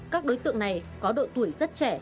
các đối tượng này có độ tuổi rất trẻ